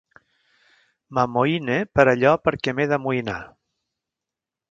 M'amoïne per allò perquè m'he d'amoïnar.